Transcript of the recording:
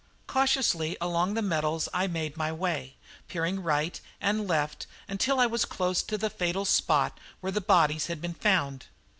Cautiously along the metals I made my way, peering right and left until I was close to the fatal spot where the bodies had been found.